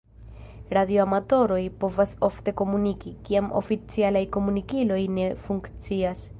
Radioamatoroj povas ofte komuniki, kiam oficialaj komunikiloj ne funkcias.